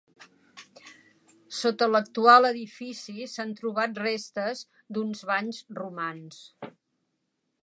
Sota l'actual edifici s'han trobat restes d'uns banys romans.